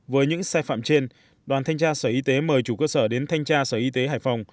với những sai phạm trên đoàn thanh tra sở y tế mời chủ cơ sở đến thanh tra sở y tế hải phòng